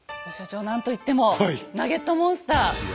所長何といってもナゲットモンスター。